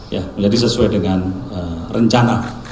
ya menjadi sesuai dengan rencana